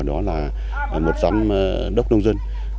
đó là một giám đốc nông dân